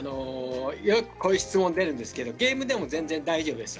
よくこういう質問が出るんですがゲームでも全然大丈夫です。